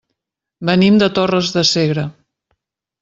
Venim de Torres de Segre.